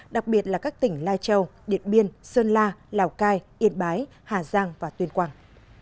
đặc biệt là các tỉnh lai châu điện biên sơn la lào cai yên bái hà giang và tuyên quang